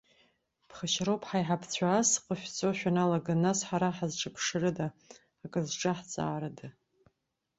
Ԥхашьароуп, ҳаиҳабацәа ас ҟашәҵауа шәалагар, нас ҳара ҳазҿыԥшрыда, акрызҿаҳҵаарыда.